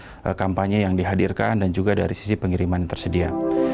dari kampanye yang dihadirkan dan juga dari sisi pengiriman yang tersedia